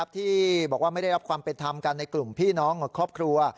ที่บอกว่าไม่ได้รับความเป็นธรรมกันในกลุ่มพี่น้องกับครอบครัว